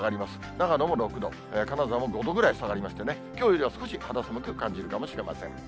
長野も６度、金沢も５度ぐらい下がりましてね、きょうよりは少し肌寒く感じられるかもしれません。